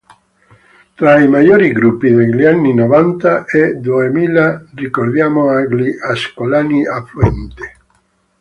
Tra i maggiori gruppi degli anni novanta e duemila ricordiamo gli ascolani Affluente.